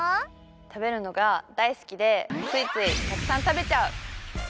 食べるのが大好きでついついたくさん食べちゃう！